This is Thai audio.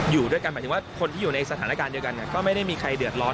อยู่ด้วยกันหมายถึงว่าคนที่อยู่ในสถานการณ์เดียวกันก็ไม่ได้มีใครเดือดร้อน